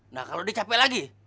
nah kalau dicapai lagi